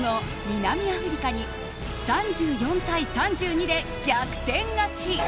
・南アフリカに３４対３２で逆転勝ち！